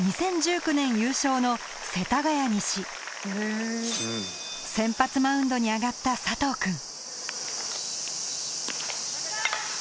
２０１９年優勝の世田谷西先発マウンドに上がった佐藤くん